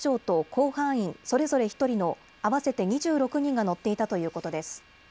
甲板員それぞれ１人の合わせて２６人が乗っていたということです。